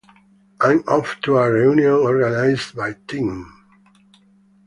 I'm off to a reunion organised by Tim.